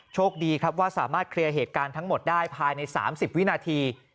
โชคดีครับว่าสามารถเคลียร์เหตุการณ์ทั้งหมดได้ภายใน๓๐วินาที